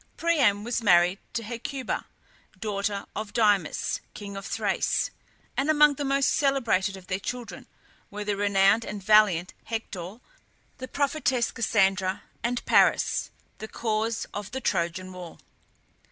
Priam was married to Hecuba, daughter of Dymas, king of Thrace; and among the most celebrated of their children were the renowned and valiant Hector, the prophetess Cassandra, and Paris, the cause of the Trojan war.